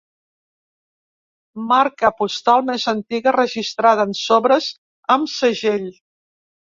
Marca postal més antiga registrada en sobres amb segell.